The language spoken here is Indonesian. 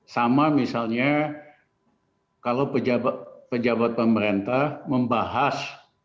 sama misalnya kalau pejabat pemerintah membahas